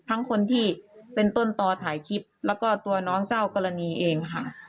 คนที่เป็นต้นต่อถ่ายคลิปแล้วก็ตัวน้องเจ้ากรณีเองค่ะ